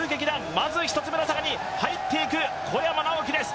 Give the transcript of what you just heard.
まず１つ目の坂に入っていく小山直城です。